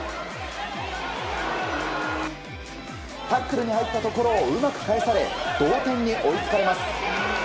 タックルが入ったところをうまく返され同点に追いつかれます。